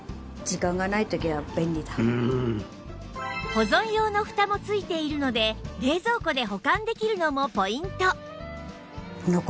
保存用のふたも付いているので冷蔵庫で保管できるのもポイント